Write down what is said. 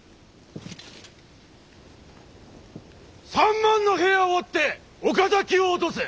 ３万の兵をもって岡崎を落とせ！